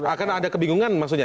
akan ada kebingungan maksudnya